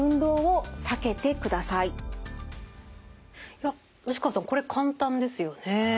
いや吉川さんこれ簡単ですよね。